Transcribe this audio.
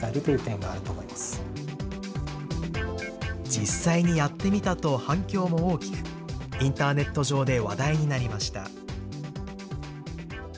実際にやってみたと反響も大きくインターネット上で話題になりました。